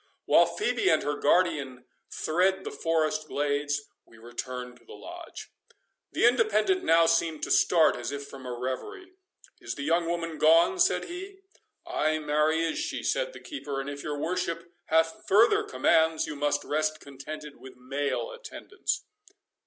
While Phœbe and her guardian thread the forest glades, we return to the Lodge. The Independent now seemed to start as if from a reverie. "Is the young woman gone?" said he. "Ay, marry is she," said the keeper; "and if your worship hath farther commands, you must rest contented with male attendance."